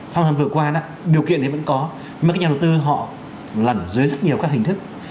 thông thần vừa qua đó điều kiện đấy vẫn có nhưng mà các nhà đầu tư họ lẩn dưới rất nhiều các hình thức